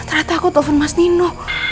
ternyata aku telepon mas nino